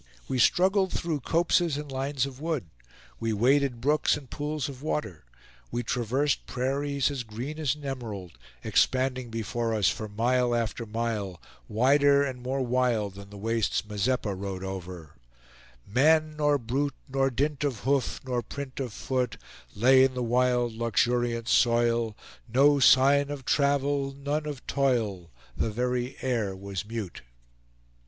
We struggled through copses and lines of wood; we waded brooks and pools of water; we traversed prairies as green as an emerald, expanding before us for mile after mile; wider and more wild than the wastes Mazeppa rode over: "Man nor brute, Nor dint of hoof, nor print of foot, Lay in the wild luxuriant soil; No sign of travel; none of toil; The very air was mute."